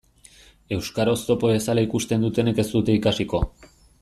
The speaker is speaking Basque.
Euskara oztopo bezala ikusten dutenek ez dute ikasiko.